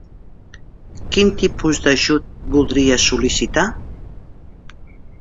Quin tipus d'ajut voldries sol·licitar?